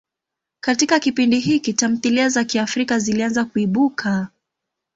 Katika kipindi hiki, tamthilia za Kiafrika zilianza kuibuka.